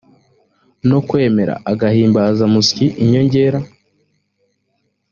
no kwemera agahimbazamusyi inyongera